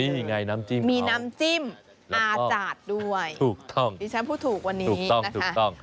นี่ไงน้ำจิ้มมีน้ำจิ้มอาจารย์ด้วยถูกต้องดิฉันพูดถูกวันนี้นะคะถูกต้อง